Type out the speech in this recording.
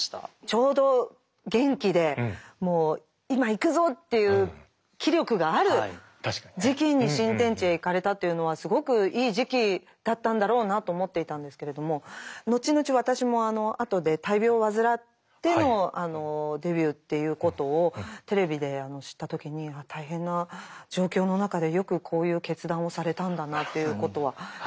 ちょうど元気でもう今行くぞっていう気力がある時期に新天地へ行かれたというのはすごくいい時期だったんだろうなと思っていたんですけれども後々私も後で大病を患ってのデビューっていうことをテレビで知った時に大変な状況の中でよくこういう決断をされたんだなということは感じていました。